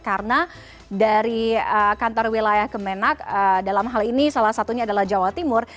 karena dari kantor wilayah kemenak dalam hal ini salah satunya adalah jawa timur